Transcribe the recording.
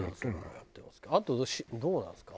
あとどうなんですか？